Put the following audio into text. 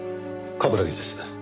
冠城です。